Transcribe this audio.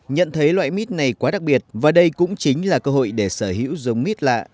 nhận thấy loại mít này quá đặc biệt và đây cũng chính là cơ hội để sở hữu giống mít lạ